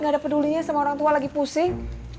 gak ada pedulinya sama orang tua lagi pusing